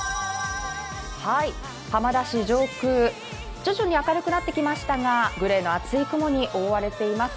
浜田市上空、徐々に明るくなってきましたがグレーの厚い雲に覆われています。